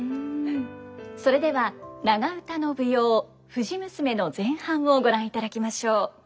それでは長唄の舞踊「藤娘」の前半をご覧いただきましょう。